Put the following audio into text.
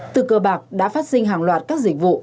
từ cơ bạc đã phát sinh hàng loạt các dịch vụ